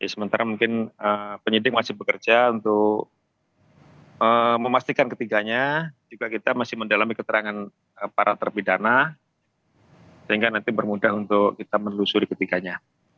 sementara mungkin penyidik masih bekerja untuk memastikan ketiganya juga kita masih mendalami keterangan para terpidana sehingga nanti bermudah untuk kita menelusuri ketiganya